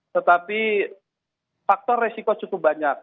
tetapi faktor resiko cukup banyak